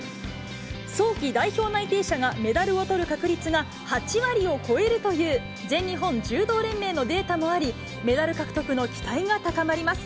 早期代表内定者がメダルをとる確率が８割を超えるという全日本柔道連盟のデータもあり、メダル獲得の期待が高まります。